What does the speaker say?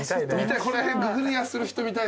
見たい。